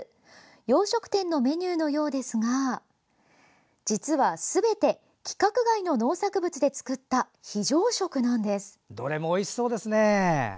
洋食店のメニューのようですが実はすべて規格外の農作物で作ったどれもおいしそうですね。